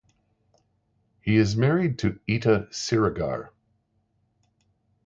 He is married to Ita Siregar.